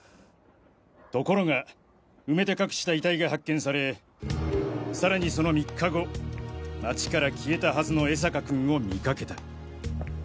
ところが埋めて隠した遺体が発見されさらにその３日後町から消えたはずの江坂君を見かけた。